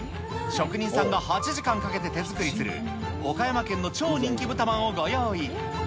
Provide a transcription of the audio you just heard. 職人さんが８時間かけて手作りする岡山県の超人気豚まんをご用意。